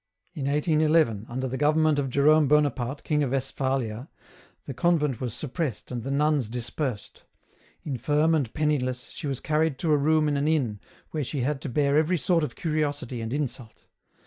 In 1 8 1 1 , under the government of Jerome Bonaparte, King of West phalia, the convent was suppressed and the nuns dispersed. Infirm and penniless, she was carried to a room in an inn where she had to bear every sort of curiosity and insult.